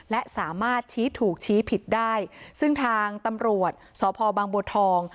และสามารถชี้ถูกชี้ผิดได้ซึ่งทางตำรวจสพบางบัวทอง